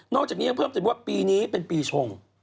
นอกจากนี้เพิ่มถึงว่าปีนี้เป็นปีชง